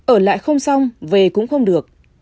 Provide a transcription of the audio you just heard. ở lại không xong về cũng không được